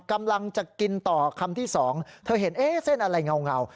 กำลังจะกินต่อคำที่สองเธอเห็นเอ๊ะเส้นอะไรเงา